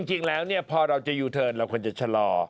จริงแล้วพอเราจะยูเทิร์นเราควรจะชะลอ